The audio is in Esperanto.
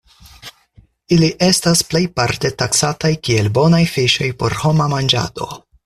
Ili estas plejparte taksataj kiel bonaj fiŝoj por homa manĝado.